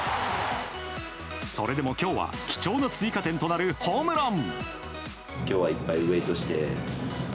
それでも今日は貴重な追加点となるホームラン。